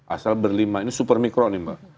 asal berlima ini super mikro nih mbak